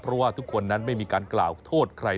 เพราะว่าทุกคนนั้นไม่มีการกล่าวโทษใคร